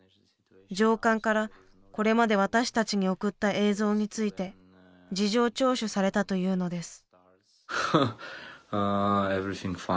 上官からこれまで私たちに送った映像について事情聴取されたというのです。